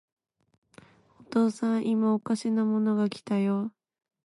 お父さん、いまおかしなものが来たよ。